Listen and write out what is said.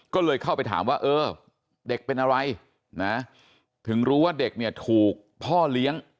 ก็เลยเข้าไปถามว่าเออเด็กเป็นอะไรนะถึงรู้ว่าเด็กเนี่ยถูกพ่อเลี้ยง